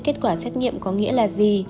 kết quả xét nghiệm có nghĩa là gì